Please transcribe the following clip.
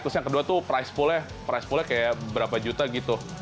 terus yang kedua tuh price pull nya price pull nya kayak berapa juta gitu